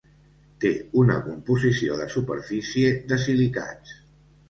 Té una composició de superfície de silicats.